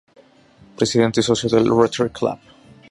Presidente y socio del Rotary Club.